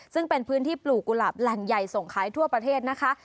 ซึ่งเป็นพื้นที่ปลูกกุหลาบแหล่งใหญ่ส่งขายทั่วประเทศนะคะ